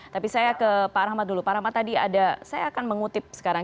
tapi saya ke pak rahmat dulu pak rahmat tadi ada saya akan mengutip sekarang